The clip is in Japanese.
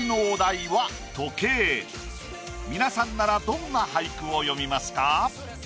皆さんならどんな俳句を詠みますか？